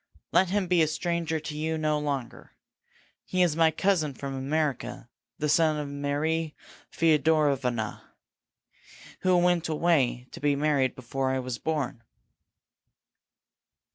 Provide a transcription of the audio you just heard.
Let him be a stranger to you no longer. He is my cousin from America the son of Marie Feodorovna, who went away to be married before I was born!"